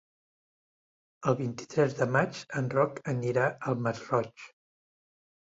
El vint-i-tres de maig en Roc anirà al Masroig.